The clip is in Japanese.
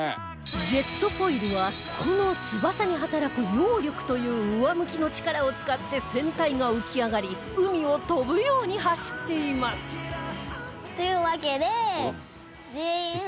ジェットフォイルはこの翼に働く揚力という上向きの力を使って船体が浮き上がり海を飛ぶように走っていますというわけで。